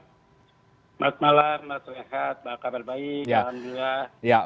selamat malam mas rehar apa kabar baik